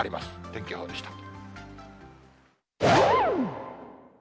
天気予報でした。